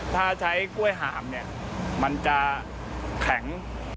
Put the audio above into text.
ถ้าใช้กล้วยหามเนี่ยมันจะแข็ง